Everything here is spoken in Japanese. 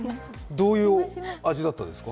どういう味だったんですか？